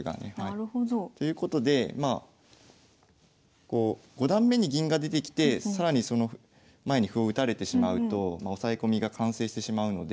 なるほど。ということでまあ５段目に銀が出てきて更にその前に歩を打たれてしまうと押さえ込みが完成してしまうので。